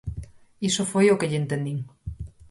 Iso foi o que lle entendín.